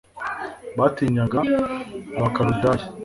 batinyaga abakaludaya